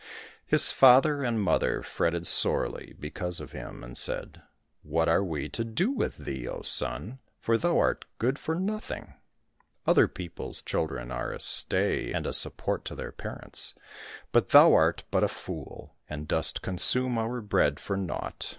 His father and mother fretted sorely because of him, and said, " What are we to do with thee, O son ? for thou art good for nothing. Other people's children are a stay and a support to their parents, but thou art but a fool and dost consume our bread for naught."